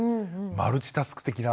マルチタスク的な。